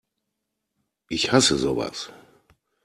Ich hasse sowas!